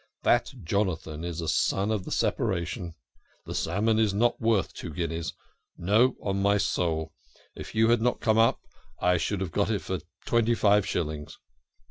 " That Jonathan is a son of the separation ! The salmon is not worth two guineas no, on my soul ! If you had not come up I should have got it for twenty five shillings.